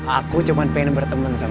aku cuman pengen berteman sama kamu